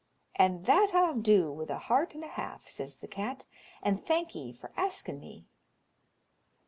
"And that I'll do with a heart and a half," says the cat, "and thank 'ee for asking me."